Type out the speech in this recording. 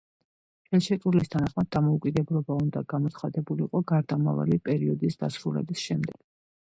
ხელშეკრულების თანახმად დამოუკიდებლობა უნდა გამოცხადებულიყო გარდამავალი პერიოდის დასრულების შემდეგ.